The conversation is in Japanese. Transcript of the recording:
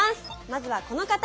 まずはこの方。